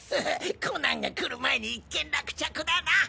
コナンが来る前に一件落着だな！